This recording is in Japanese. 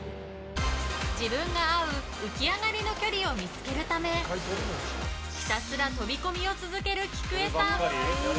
自分が合う浮き上がりの距離を見つけるためひたすら飛び込みを続けるきくえさん。